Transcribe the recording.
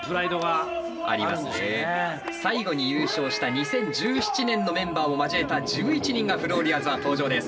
最後に優勝した２０１７年のメンバーを交えた１１人がフローリアーズは登場です。